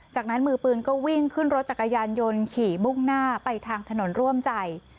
จากนั้นมือปืนก็วิ่งขึ้นรถจักรยานยนต์ขี่มุ่งหน้าไปทางถนนร่วมใจ